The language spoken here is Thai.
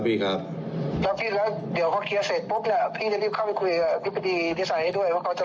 พี่เดี๋ยวเขาเคลียร์เสร็จปุ๊บน่ะพี่ก็ค่อยคุยกับพิฤตินิสัยให้ด้วยว่าเขาจะล่อ